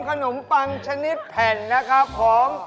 ขนมปังชนิดแผ่น